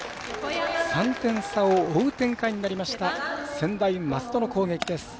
３点差を追う展開になりました専大松戸の攻撃です。